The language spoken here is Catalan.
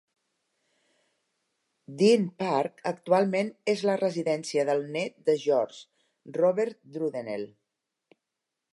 Deene Park actualment és la residència del net de George, Robert Brudenell.